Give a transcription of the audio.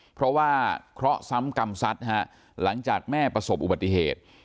เพราะว่าเคราะห์ซ้ำกรรมซัดฮะหลังจากแม่ประสบอุบัติเหตุ